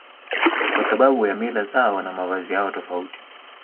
Kwa sababu ya mila zao na mavazi yao tofauti